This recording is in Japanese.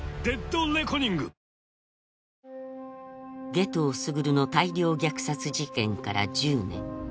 夏油傑の大量虐殺事件から１０年